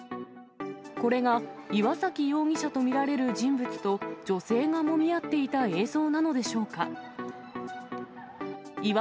これが岩崎容疑者と見られる人物と女性がもみ合っていた映像なのでしょうか。